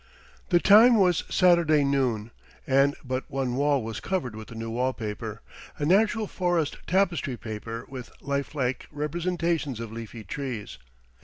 The time was Saturday noon, and but one wall was covered with the new wall paper, a natural forest tapestry paper, with lifelike representations of leafy trees.